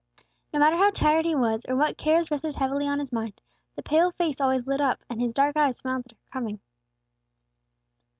No matter how tired he was, or what cares rested heavily on his mind, the pale face always lighted up, and his dark eyes smiled at her coming.